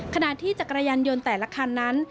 ขณะที่จักรยานยนต์แต่ละคันนั้น